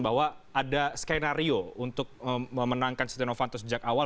bahwa ada skenario untuk memenangkan setia novanto sejak awal